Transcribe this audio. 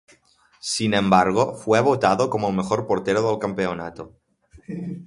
Sin embargo, fue votado como el mejor portero del campeonato.